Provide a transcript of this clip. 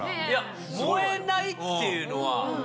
いや燃えないっていうのは。